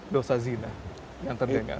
dosa zina yang terdengar